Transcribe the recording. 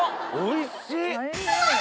おいしっ！